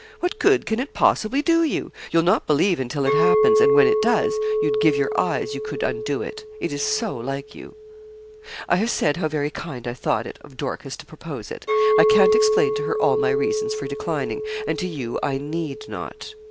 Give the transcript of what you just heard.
What good can it possibly do you? You'll not believe until it happens, and when it does, you'd give your eyes you could undo it. It is so like you.' 'I have said how very kind I thought it of Dorcas to propose it. I can't explain to her all my reasons for declining; and to you I need not.